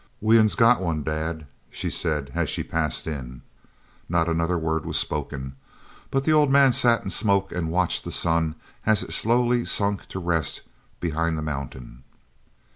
"We uns got one, dad," she said, as she passed in. Not another word was spoken, but the old man sat and smoked and watched the sun as it slowly sunk to rest behind the mountain.